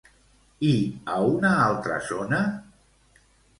I a una altra zona?